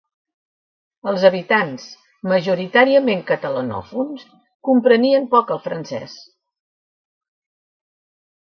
Els habitants, majoritàriament catalanòfons, comprenien poc el francès.